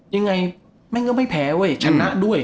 ยังไงแม่งก็ไม่แพ้เว้ยชนะด้วย